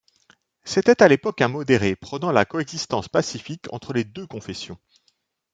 C'était à l 'époque un modéré prônant la coexistence pacifique entre les deux confessions.